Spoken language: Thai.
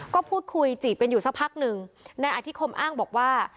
ก็พูดคุยจีบกันอยู่สักพักหนึ่งนายอธิคมอ้างบอกว่า